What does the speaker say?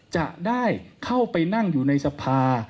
จะได้เข้าไปนั่งอยู่ในสภา